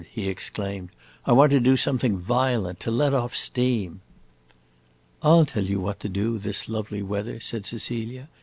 he exclaimed. "I want to do something violent, to let off steam!" "I 'll tell you what to do, this lovely weather," said Cecilia.